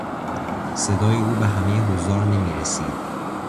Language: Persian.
صدای او به همهی حضار نمیرسید.